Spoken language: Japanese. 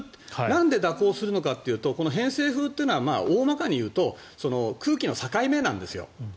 なんで蛇行するのかっていうと偏西風というのは大まかにいうと空気の境目なんですよ。